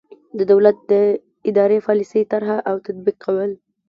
د دولت د اداري پالیسۍ طرح او تطبیق کول.